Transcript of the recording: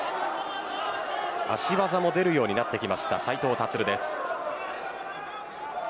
足技も出るようになってきた斉藤立です。